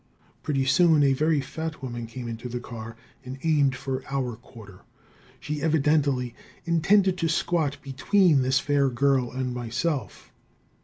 Pretty soon a very fat woman came into the car and aimed for our quarter. She evidently intended to squat between this fair girl and myself.